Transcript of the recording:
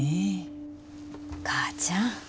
母ちゃん。